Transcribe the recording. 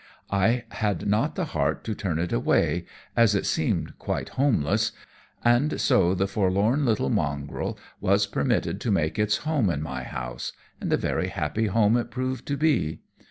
I had not the heart to turn it away, as it seemed quite homeless, and so the forlorn little mongrel was permitted to make its home in my house and a very happy home it proved to be.